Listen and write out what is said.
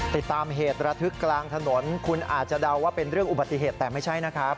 ติดตามเหตุระทึกกลางถนนคุณอาจจะเดาว่าเป็นเรื่องอุบัติเหตุแต่ไม่ใช่นะครับ